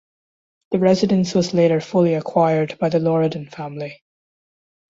The residence was later fully acquired by the Loredan family.